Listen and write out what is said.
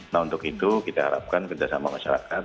nah untuk itu kita harapkan kerjasama masyarakat